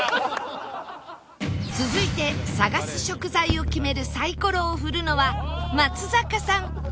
続いて探す食材を決めるサイコロを振るのは松坂さん